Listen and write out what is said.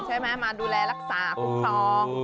ใช่ไหมมาดูแลรักษาคุ้มครอง